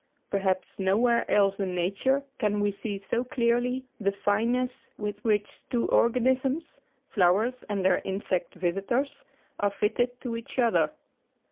Perhaps nowhere else in nature can we see so clearly the fineness with which two organisms flowers and their insect vis itors are fitted to each other.